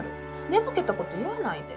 寝ぼけたこと言わないで。